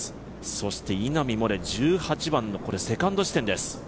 そして稲見萌寧、１８番のセカンド地点です。